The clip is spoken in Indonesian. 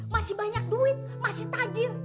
masih banyak duit masih tajil